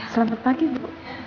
selamat pagi bu